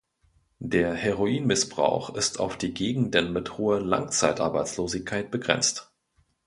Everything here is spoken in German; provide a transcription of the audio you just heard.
Der Heroinmissbrauch ist auf die Gegenden mit hoher Langzeitarbeitslosigkeit begrenzt.